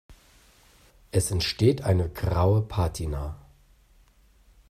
Es entsteht eine graue Patina.